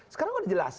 sekarang kan jelas